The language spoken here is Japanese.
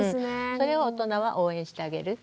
それを大人は応援してあげる。